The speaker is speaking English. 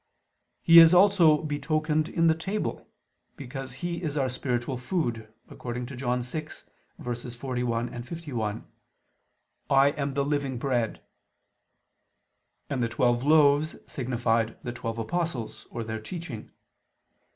He is also betokened in the table, because He is our spiritual food, according to John 6:41, 51: "I am the living bread": and the twelve loaves signified the twelve apostles, or their teaching.